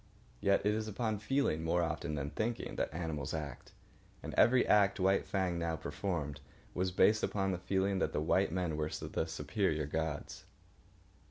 Yet it is upon feeling, more often than thinking, that animals act; and every act White Fang now performed was based upon the feeling that the white men were the superior gods.